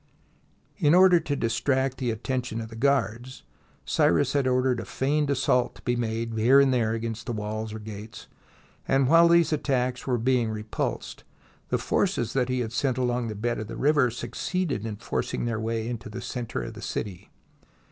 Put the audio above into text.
In order to distract the attention of the guards, Cyrus had ordered a feigned assault to be made here and there against the walls or gates, and while these attacks were being repulsed, the forces that he had sent along the bed of the river succeeded in forcing their way into the centre of the city.